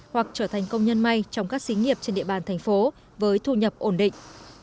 hoặc trở thành công nhân may trong các xí nghiệp trên địa bàn thành phố với thu nhập ổn định